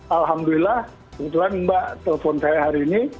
alhamdulillah kebetulan mbak telepon saya hari ini